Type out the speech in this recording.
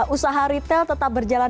usaha retail tetap berjalan